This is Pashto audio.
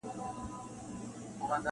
موږ يو وبل ته ور روان پر لاري پاته سولو ,